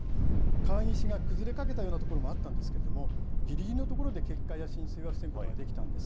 川岸が崩れかけたような所もあったんですけれども、ぎりぎりのところで決壊や浸水を防ぐことができたんです。